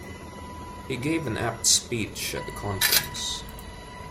He gave an apt speech at the conference.